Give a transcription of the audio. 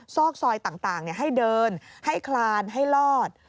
ซอกซอยต่างให้เดินให้คลานให้รอด